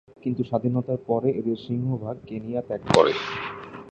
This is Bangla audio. কিন্তু স্বাধীনতার পরে এদের সিংহভাগ কেনিয়া ত্যাগ করে।